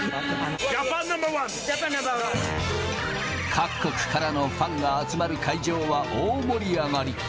各国からのファンが集まる会場は大盛り上がり。